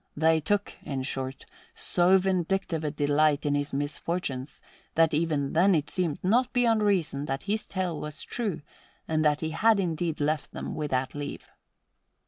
They took, in short, so vindictive a delight in his misfortunes that even then it seemed not beyond reason that his tale was true and that he had indeed left them without leave.